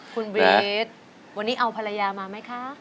คุณเบสวันนี้เอาภรรยามาไหมคะ